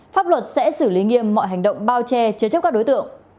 pháp luật sẽ xử lý nghiêm mọi hành động bao che chứa chấp các đối tượng